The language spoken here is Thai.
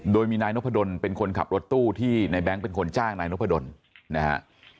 โดยมีนายนพดลเป็นคนขับรถตู้ที่ในแง๊งเป็นคนจ้างนายนพดลนะฮะ